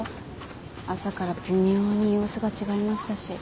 朝から微妙に様子が違いましたし。